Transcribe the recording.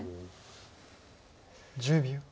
１０秒。